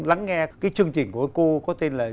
lắng nghe cái chương trình của cô có tên là